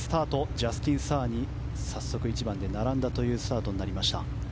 ジャスティン・サーに早速、１番で並んだスタートになりました。